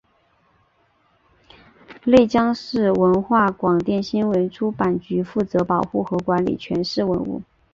内江市文化广电新闻出版局负责保护和管理全市文物。